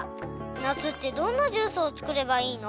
「夏ってどんなジュースを作ればいいの？」